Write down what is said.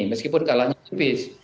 meskipun kalahnya tipis